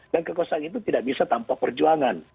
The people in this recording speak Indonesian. dan kekuasaan itu tidak bisa tanpa perjuangan